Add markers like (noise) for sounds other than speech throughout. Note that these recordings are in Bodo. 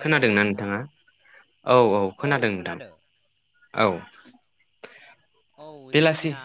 हेलौ खोनादोंना नोंथां नोंथाङा? औ औ खोनादों नोंथां औ। औ बेलासि जोंनिया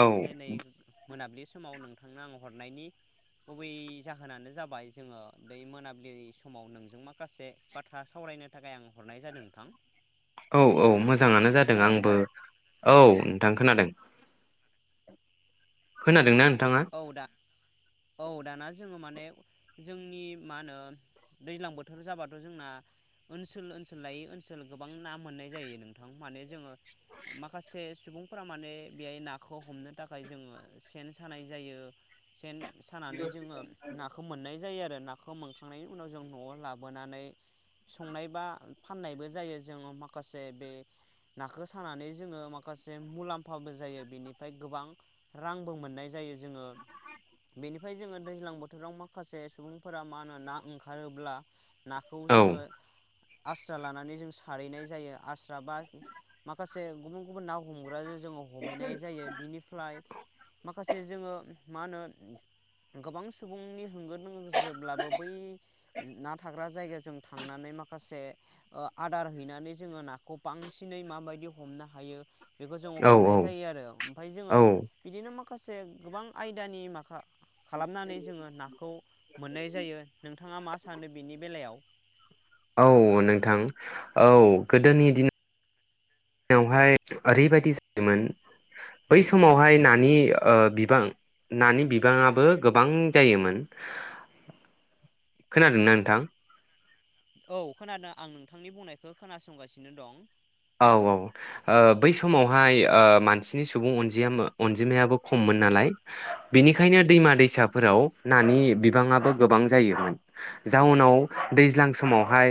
औ मोनसे नै मोनाबिलि समाव नोंथांनो आं हरनायनि गुबै जाहोनानो जाबाय जोङो बे मोनाबिलि समाव नोंजों माखासे बाथ्रा सावरायनो थाखाय आं हरनाय जादों नोंथां। औ औ मोज जाङानो जादों खोनादों ना आंबो, औ नोंथां खोनादों। खोनादों नों औ दा औ। दाना जोङो माने जोंनि मा होनो दैज्लां बोथोर जाबाथ' जोंना ओनसोल ओनसोल लायै ओनसोल गोबां ना मोननाय जायो नोंथां माने जोङो माखासे सुबुंफोरा माने बेहाय नाखौ हमनो थाखाय जोङो सेन सानाय जायो सेन सानानै जोङो नाखौ मोननाय जायो आरो नाखौ मोनखांनायनि उनाव जों न'आव लाबोनानै संनाय बा फान्नायबो जायो जोङो माखासे बे नाखौ सानानै जोङो माखासे मुलाम्फाबो जायो बेनिफ्राय गोबां रांबो मोननाय जायो जोङो बेनिफ्राय जोङो दैज्लां बोथोराव माखासे सुबुंफोरा मा होनो ना ओंखारोब्ला नाखौ औ जोङो आस्रा लानानै जों सारहैनाय जायो आस्रा बा माखासे गुबुन गुबुन ना हमग्रा जोङो हमैनाय जायो बिनिफ्राय मा जोङो मा होनो गोबां सुबुंनि होंगो दोंगो जेब्लाबो बै ना थाग्रा जायगाजों थांनानै माखासे ओ आदार हैनानै जोङो नाखौ बांसिनै माबायदि हमनो हायो। बेखौ जोङो औ हमनाय जायो आरो ओमफाय जोङो औ बिदिनो मा खासे गोबां आयदानि माखा खालामनानै जोङो नाखौ मोननाय जायो, नोंथाङा मा सानो बेनि बेलायाव? औ नोंथां औ गोदोनि दिन नावहाय ओरैबायदि जायोमोन बै समावहाय नानि ओ बिबां नानि बिबाङाबो गोबां जायोमोन, खोनादोंना नोंथां? औ खोनादों आं नोंथांनि बुंनायखौ खोनासंगासिनो दं। औ औ ओ बै समावहाय ओ मानसिनि सुबुं अनजि अनजिमायाबो खममोन नालाय बेनिखायनो दैमा दैसाफोराव नानि बिबाङाबो गोबां जायोमोन जाउनाव दैज्लां समावहाय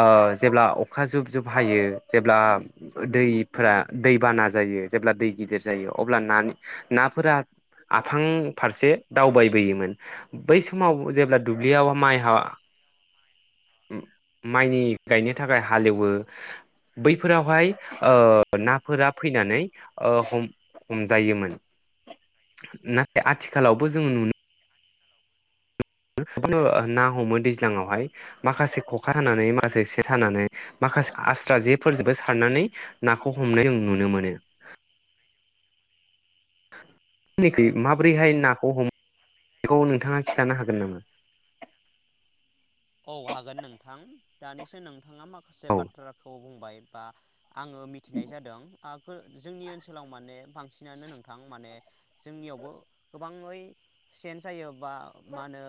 ओ जेब्ला अखा जुब जुब हायो जेब्ला दैफोरा दै बाना जायो जेब्ला दै गिदिर जायो अब्ला नानि नाफोरा आफां फारसे दावबायबोयोमोन बै समाव जेब्ला दुब्लियाव माइहा उम माइनि गायनो थाखाय हालेवो बैफोरावहाय ओ नाफोरा फैनानै ओ हम हमजायोमोन नाथाय आथिखालावबो जों नुनो ना हमो दैज्लाङावहाय माखासे ख'खा हानानै माखासे से सानानै माखासे आस्रा जेफोरजोंबो सारनानै नाखौ हमनाय जों नुनो मोनो। (unintelligible) माबोरैहाय नाखौ हम खौ नोंथाङा खिथानो हागोन नामा? औ हागोन नोंथां दानिसो नोंथाङा माखासे औ बाथ्राखौ बुंबाय बा, आङो मिथिनाय जादों, आ फोर जोंनि ओनसोलाव माने बांसिनानो नोंथां माने जोंनियावबो गोबाङै सेन सायो बा मा होनो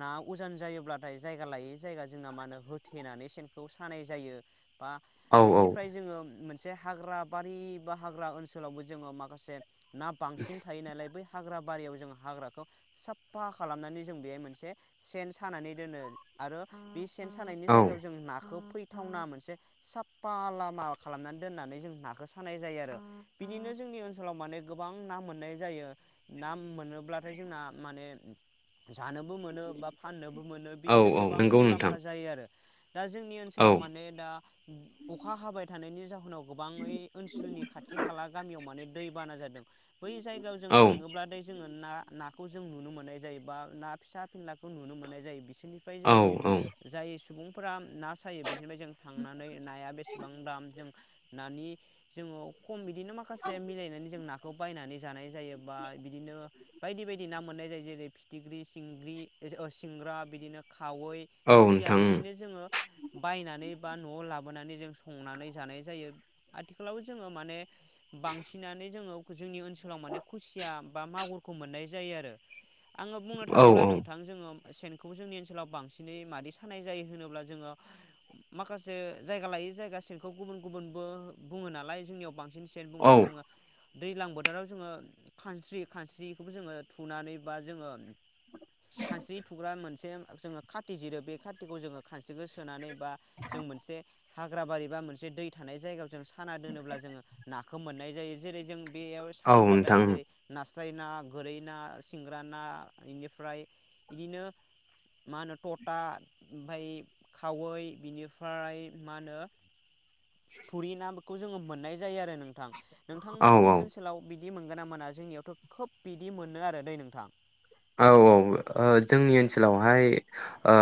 ना उजान जायोब्लाथाय, जायगा लायै जायगा जोंना मा होनो होथेनानै सेनखौ सानाय जायो। बा औ औ बिनिफ्राय जोङो मोनसे, जे हाग्राबारि बा हाग्रा ओनसोलावबो जोङो माखासे, ना बांसिन थायो नालाय बै, हाग्रा बारियाव जों हाग्राखौ साफा खालामनानै जों बेहाय मोनसे सेन सानानै दोनो, आरो बिस सेन सानायनि औ जायगायाव जों नाखौ फै, थावना मोनसे साफा लामा खालामनानै दोननानै जों नाखौ सानाय जायो आरो बिदिनो जोंनि ओनसोलाव माने गोबां ना मोननाय जायो ना मोनोब्लाथाय जोंना माने, जानोबो मोनो बा फाननोबो मोनो, औ बिदिनो औ गोबां नंगौ नोंथां मुलाम्फा जायो आरो बुजियाखै दा जोंनि औ ओनसोलाव माने दा, अखा हाबाय थानायनि जाहोनाव, गोबाङै ओनसोलनि खाथि खाला गामियाव माने, दै बाना जादों। बै जायगायाव जों औ थाङोब्ला जोङो, ना नाखौ जों नुनो मोननाय जायो बा ना फिसा फिनलाखौ नुनो मोननाय जायो बिसोरनि ओमफाय औ जोङो जाय सुबुं फोरा ना सायो बि बिनिफ्राय जों थांनानै नाया बेसेबां दाम जों नानि जोङो खम बिदिनो माखासे मिलायनानै जों ना खौ बायनानै जानाय जायो बा बिदिनो बायदि बायदि ना मोननाय जायो जेरै फिथिख्रि सिंग्रि ओ सिंग्रा बिदिनो, खावै औ खुसिया नोंथां बिदिनो जोङो बायनानै, बा न'आव लाबोनानै जों संनानै जानाय जायो आथिखालाव जोङो माने बांसिनानो जोङो जोंनि ओनसोलाव माने खुसिया बा मागुरखौ मोननाय जायो आरो आङो बुंनो औ थाङोब्ला औ नोंथां जोङो, सेनखौ जोंनि ओनसोलाव बांसिनै मादि सानाय जायो होनोब्ला जोङो माखासे जायगा लायै जायगा सेनखौ गुबुन गुबुनबो बुङो नालाय जोंनियाव बां बांसिन सेन बुङो औ जोङो, दैलां बोथोराव जोङो खानस्रि खानस्रिखौबो जोङो थुनानै बा जोङो, खानस्रि थुग्रा मोनसे जोङो खाथि जिरो बे खाथिखौ जोङो खान जोङो सोनानै बा जों मोनसे हाग्रा बारि बा मोनसे दै थानाय जायगायाव जों साना दोनोब्ला जोङो ना खौ मोननाय जायो जेरै जों बेयाव औ सायोब्लाथाय नोंथां जेरै नास स्राइ ना गोरै ना सिंग्रा ना इनिफ्राय इदिनो मा होनो थथा ओमफाय खावै बिनिफ्राय मा होनो थुरि ना खौ जोङो मोननाय जायो आरो नों नोंथां औ नोंथांमोननि औ ओनसोलाव बिद बिदि मोनगोन ना मोना जोंनियावथ' खोब बिदि मोनो आरो दै नोंथां। औ औ ओ जोंनि ओनसोलावहाय ओ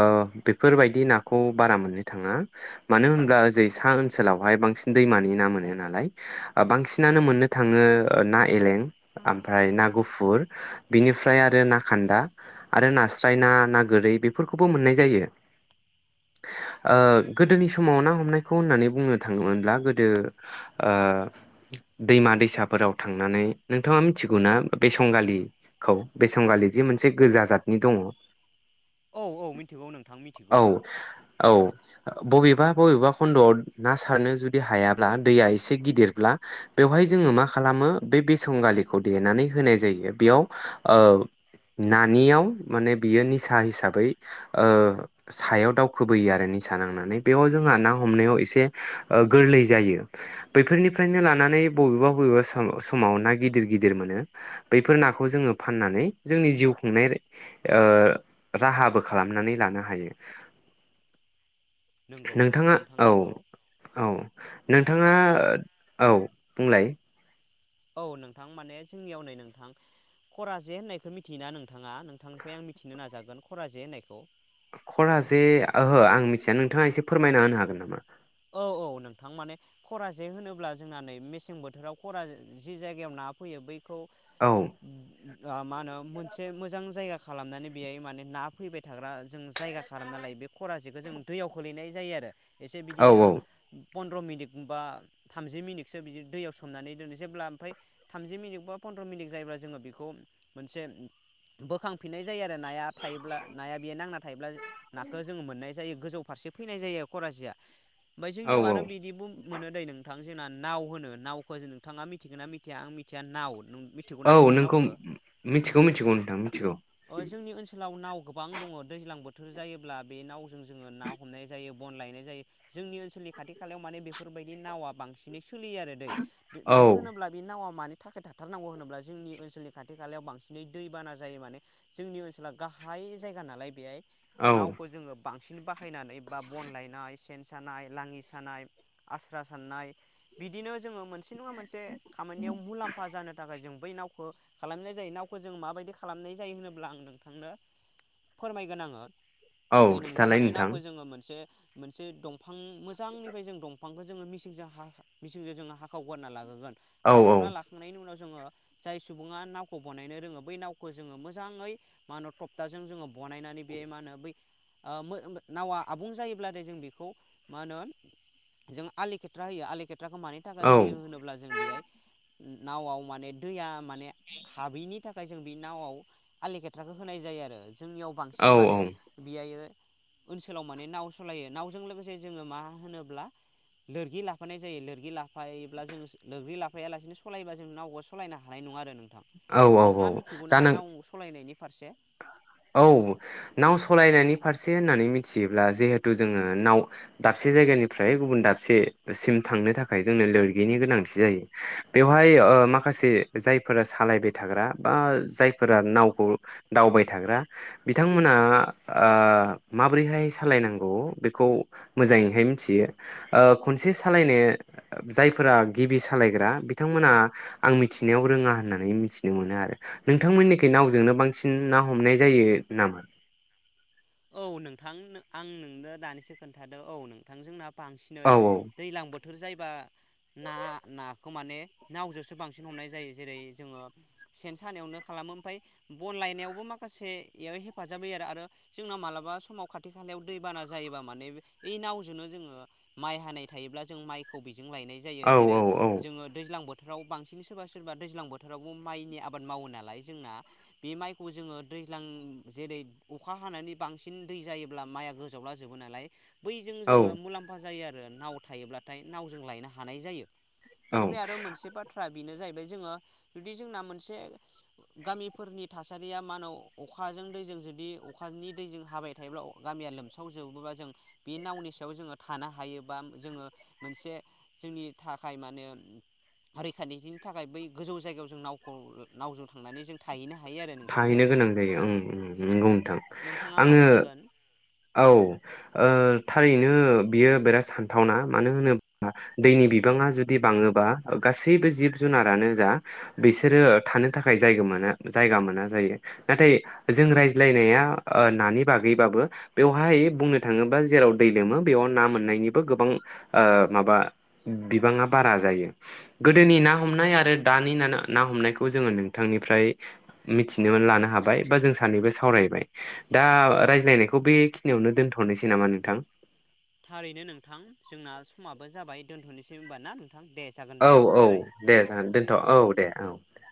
बेफोरबायदि नाखौ बारा मोननो थाङा मानो होनब्ला ओजै सा ओनसोलावहाय बांसिन दैमानि ना मोनो नालाय बांसिनानो मोननो थाङो ओ ना एलें। आमफ्राय ना गुफुर बिनिफ ओमफ्राय आरो ना खान्दा आरो नास्राय ना ना गोरै बेफोरखौबो मोननाय जायो ओ गोदोनि समाव ना हमनायखौ होननानै बुंनो थाङोमोनब्ला गोदो ओ दैमा ओ दैसाफोराव थांनानै नोंथाङा मिथिगौना बेसंगालिखौ बेसंगालि जि मोनसे गोजा जतनि दङ। औ औ मिथिगौ नोंथां मिथिगौ। औ औ बबेबा बबेबा खन्द'आव ना सारनो जुदि हायाब्ला दैया एसे गिदिरब्ला बेवहाय जोङो मा खालामो बे बेसं गालिखौ देनानै होनाय जायो बेयाव ओ नानियाव माने बियो निसा हिसाबै ओ सायाव ओ दावखोबोयो आरो निसा नांनानै बेयाव जोंहा ना हमनायाव एसे ओ गोरलै जायो बैफोरनिफ्रायनो लानानै बबेबा बबेबा सम समाव ना गिदिर गिदिर मोनो बैफोर नाखौ जोङो फाननानै जोंनि जिउ खुंनाय ओ राहाबो खालामनानै लानो हायो। नंगौ नोंथाङा नोंथां औ नंगौ औ नोंथाङा आं औ बुंलाय? औ नोंथां माने जोंनियाव नै नोंथां खरा जे होननायखौ मिथियोना नोंथाङा नोंथांनिफ्राय आं मिथिनो नाजागोन खरा जे होननायखौ। खरा जे ओहो आं मिथिया नोंथाङा एसे फोरमायना होनो हागोन नामा? औ औ नोंथां माने खरा जे होनोब्ला जोंना नै मेसें बोथोराव खरा जि जायगायाव ना फैयो बै औ। आ मा होनो मोनसे मोजां जायगा खालामनानै बेहाय माने ना फैबाय थाग्रा जों जायगा खालामना लायो बे खरा जे जों दैयाव खोलैनाय जायो आरो। औ बिदिनो। पनन्द्र' मिनिट बा थामजि मिनिटसो बिदि दैयाव सोमनानै दोनो जेब्ला ओमफ्राय थामजि मिनिट बा पन्द्र मिनिट जायोब्ला जोङो बेखौ मोनसे बोखांफिननाय जायो आरो। नाया थायोब्ला नाया बेयो नांना थायोब्ला। नाखौ जोङो मोननाय जायो। गोजौ फारसे फैनाय जायो करा जेया। ओमफाय औ जोंनियाव आरो औ बिदिबों मोनो दै नोंथां जोंना नाव होनो नावखौ नोंथाङा मिथिगोन ना मिथिया आं मिथिया नाव मिथिगौनां औ नोंथां नोंखौ नावखौ मिथिगौ मिथिगौ नोंथां मिथिगौ ओ जोंनि ओनसोलाव नाव गोबां दङ दैज्लां बोथोर बोथोर जायोब्ला बे नावजों जोङो ना हमनाय जायो बन लायनाय जायो। जोंनि ओनसोलनि खाथि खालायाव माने बेफोरबायदि नावा बांसिनै सोलियो आरो दै मानो औ होनोब्ला बेनि नावा मा थाखाय थाथारनांगौ होनोब्ला जोंनि ओनसोलनि खाथि खालायाव बांसिनै दैबाना जायो माने जोंनि ओनसोला गाहाय जायगा नालाय बेहाय औ नावखौ जोङो। बांसिन बाहायनानै बा बन लायनाय सेन सानाय, लाङि सानाय, आस्रा सानाय बिदिनो जों मोन से नङा मोनसे खामानियाव मुलाम्फा जानो थाखाय जों बै नावखौ खालामनाय जायो नावखौ जों माबायदि खालामनाय जायो होनोब्ला आं नोंथांनो फोरमायगोन आङो औ नै नोंथां खिथालाय माने नावखौ जोङो मोनसे मोन से दंफां मोजांनिफ्राय जों दंफांखौ जोङो मिसिंजों हा मिसिंजों जोङो हाखाव गारना लाबोगोन औ औ हाखावना लाखांनायनि उनाव जोङो जाय सुबुङा नावखौ बनायनो रोङो बै नावखौ जोङो मोजाङै मा होनो थप्थाजों जोङो बनायनानै बे मा होनो बै ओ मो मो नावा आबुं जायोब्लाथाय जों बेखौ मा होनो जों आलेखेथ्रा होयो खेथ्राखौ मानि थाखाय औ होयो होनोब्ला जों बेहाय नावआव माने दैया माने हाबैनि थाखाय जों बे नावआव आलि खेथ्राखौ होनाय जायो आरो जोंनियाव बांसिन माने औ बियायो ओनसोलाव माने नाव सालायो नाव जों लोगोसे जोङो मा होनोब्ला लोरगि लाफानाय जायो लोरगि लाफायोब्ला जों लोरगि लाफायालासिनो सलायबा जों नावबआ सालायनो हानाय नङा आरो नों थां औ औ नोंथाङा औ मिथिगौ ना जानो नाव सालायनायनि फारसे औ नाव सालायनायनि फारसे होननानै मिथियोब्ला जिहेथु जोङो नाव दाबसे जायगानिफ्राय गुबुन दाबसे सिम थांनो थाखाय जोंनो लोरगिनि गोनांथि जायो बेवहाय ओ माखासे जायफोरा सालायबाय थाग्रा बा जायफोरा नावखौ दावबाय थाग्रा बिथांमोना ओ माबोरैहाय सालायनांगौ बेखौ मोजाङैहाय मिथियो खनसे सालायनो जायफोरा गिबि सालायग्रा बिथांमोना आं मिथिनायाव रोङा होननानै मिथिनो मोनो आरो नोंथांमोननिखै नावजोंनो बांसिन ना हमनाय जायो नामा? औ नोंथां आं नोंनो दानिसो खोन्थादो औ नोंथां जोंना औ बांसिनै दैज्लां बोथोर बोथोर जायोबा ना नाखौ माने नावजोंसो बांसिन हमनाय जायो जेरै जोङो सेन सानायावनो खालामो ओफ्राय बन लायनायावबो माखासेयाव हेफाजाब होयो आरो आरो जोंना मालाबा समाव खाथि खालायाव दैबाना जायोबा माने ऐ नावजोंनो जोङो माइ हानाय थायोब्ला जों माइखौ जों लायनाय जायो औ जेरै औ जोङो दैज्लां बोथोर बोथोराव बांसिन सोरबा सोरबा दैज्लां बोथोरावबो माइनि आबाद मावो नालाय जोंना बे माइखौ जोङो दैज्लां जेरै अखा हानानै बांसिन दै जायोब्ला माइआ गोजावलाजोबो नालाय बैजों औ जोङो मुलाम्फा जायो आ ओ नाव थायोब्लाथाय नावजों लायनो हानाय जायो। औ बिनिफाय आरो मोनसे बाथ्रा बेनो जाहैबाय जोङो जुदि जोंना मोनसे गामिफोरनि थासारिया मा होनो अखाजों दैजों जुदि अखानि दैजों हाबाय थायोब्ला गामिया लोमसावजोबोबा जों बे नावनि सायाव जोङो थानो हायो बा जोङो मोनसे जोंनि थाखाय मा होनो रैखानि थाखाय बै गोजौ जायगायाव जों नावखौ नावजों थांनानै जों थाहैनो हायो आरो नोंथां दै थाहैनो गोनां जायो उम उम नोंगौ नोंथां। नोंथाङा मा आङो सानगोन औ ओ थारि नो बियो बिराद सानथावना मानो होनोबा दैनि बिबाङा जुदि बाङोबा गासैबो जिब जुनारानो जा बिसोरो थानो थाखाय जायगा मोनो जायगा मोना जायो नाथाय जों रायज्लायनाया ओ नानि बागैबाबो बेवहाय बुंनो थाङोबा जेराव दै लोमो बेयाव ना मोननायनिबो गोबां ओ माबा बिबाङा बारा जायो गोदोनि ना हमनाय आरो दानि न ना हमनायखौ जोङो नोंथांनिफ्राय मिथिना लानो हाबाय बा जों सानैबो सावरायबाय दा रायज्लायनायखौ बेखिनियावनो दोनथ'नोसै नामा नोंथां? थारैनो नोंथां जोंना समाब बो जाबाय दोनथ'सै होमबाना औ औ दे जागोन दे दोनथ' औ दे औ दे।